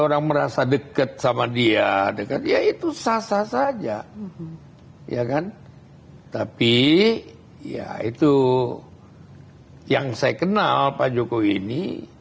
orang merasa deket sama dia deket yaitu sasa saja ya kan tapi yaitu yang saya kenal pak jokowi ini